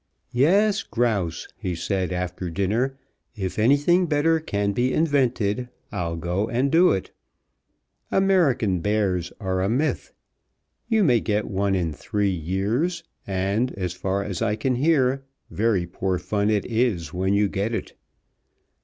"Yes, grouse," he said, after dinner. "If anything better can be invented I'll go and do it. American bears are a myth. You may get one in three years, and, as far as I can hear, very poor fun it is when you get it.